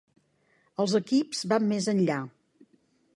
Els equips van més enllà.